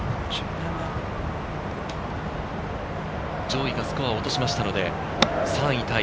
上位がスコアを落としましたので、３位タイ。